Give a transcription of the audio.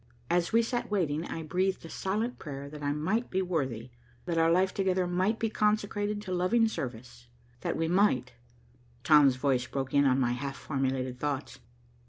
As we sat waiting, I breathed a silent prayer that I might be worthy, that our life together might be consecrated to loving service, that we might Tom's voice broke in on my half formulated thoughts.